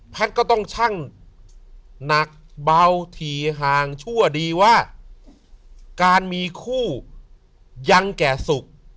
ก็ต้องชั่งหนักเบาถี่ห่างชั่วดีว่าการมีคู่ยังแก่สุข